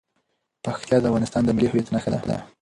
پکتیا د افغانستان د ملي هویت نښه ده.